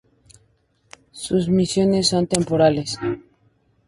Sus misiones son temporales.